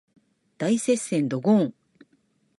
大接戦ドゴーーン